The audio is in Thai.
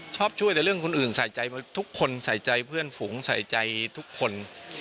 ชอบช่วยแต่เรื่องคนอื่นใส่ใจทุกคนใส่ใจเพื่อนฝูงใส่ใจทุกคน